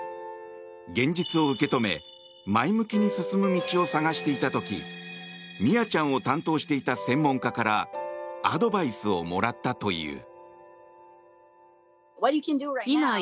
現実を受け止め前向きに進む道を探していた時ミアちゃんを担当していた専門家からアドバイスをもらったという。